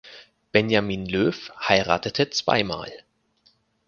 Benjamin Löw heiratete zweimal.